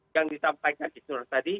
yang disampaikan isur tadi